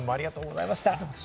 安藤さん、ありがとうございました。